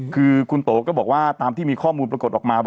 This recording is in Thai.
คือคุณโตก็บอกว่าตามที่มีข้อมูลปรากฏออกมา